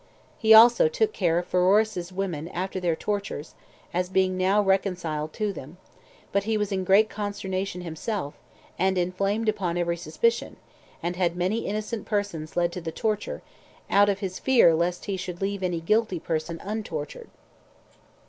He also took care of Pheroras's women after their tortures, as being now reconciled to them; but he was in great consternation himself, and inflamed upon every suspicion, and had many innocent persons led to the torture, out of his fear lest he should leave any guilty person untortured.